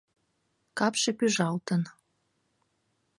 Капше пӱжалтын.